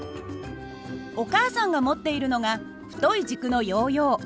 お母さんが持っているのが太い軸のヨーヨー。